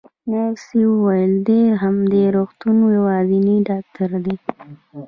نرسې وویل: دی د همدې روغتون یوازینی ډاکټر دی.